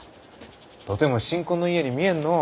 とても新婚の家に見えんのう。